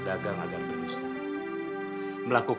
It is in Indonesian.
ya ai metalik